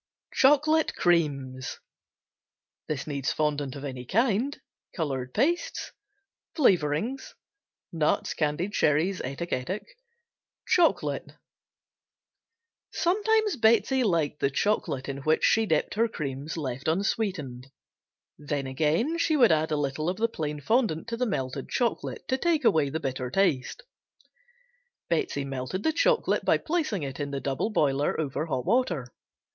Chocolate Creams Fondant of any kind. Color pastes. Flavorings. Nuts, candied cherries, etc., etc. Chocolate. Sometimes Betsey liked the chocolate in which she dipped her creams left unsweetened, then again she would add a little of the plain fondant to the melted chocolate to take away the bitter taste. Betsey melted the chocolate by placing it in the double boiler over hot water.